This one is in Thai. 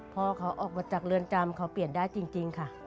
พ่อเขาออกมาจากเรือนจำเขาเปลี่ยนได้จริงค่ะ